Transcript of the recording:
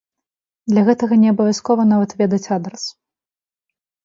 Для гэтага неабавязкова нават ведаць адрас.